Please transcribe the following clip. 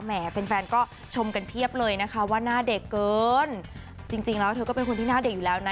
แฟนแฟนก็ชมกันเพียบเลยนะคะว่าหน้าเด็กเกินจริงจริงแล้วเธอก็เป็นคนที่หน้าเด็กอยู่แล้วนะ